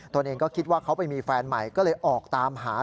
ตัวเองก็คิดว่าเขาไปมีแฟนใหม่ก็เลยออกตามหา